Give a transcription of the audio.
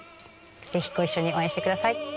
ぜひご一緒に応援してください。